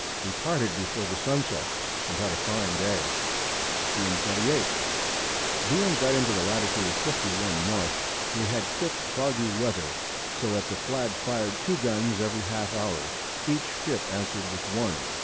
We parted before the Sun set, and had a fine Day. June 28. Being got into the Latitude of 51 N. we had thick foggy Weather, so that the Flag fired two Guns every half hour; each Ship answer'd with one.